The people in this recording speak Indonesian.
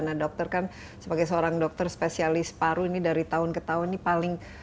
nah dokter kan sebagai seorang dokter spesialis paru ini dari tahun ke tahun ini paling